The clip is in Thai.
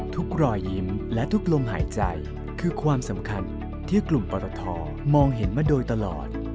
รอยยิ้มและทุกลมหายใจคือความสำคัญที่กลุ่มปรทมองเห็นมาโดยตลอด